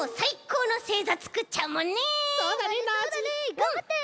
がんばって！